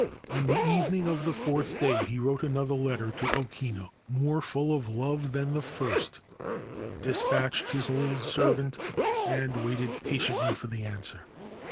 On the evening of the fourth day he wrote another letter to O Kinu, more full of love than the first, despatched his old servant, and waited patiently for the answer.